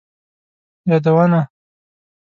یادونه: